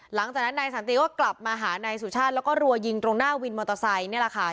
หลังจากนั้นนายสันติก็กลับมาหานายสุชาติแล้วก็รัวยิงตรงหน้าวินมอเตอร์ไซค์นี่แหละค่ะ